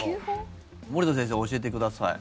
森田先生教えてください。